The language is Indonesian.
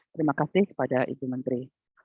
terima kasih kepada ibu menteri